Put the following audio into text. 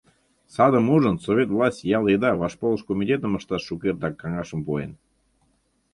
Садым ужын, совет власть ял еда вашполыш комитетым ышташ шукертак каҥашым пуэн...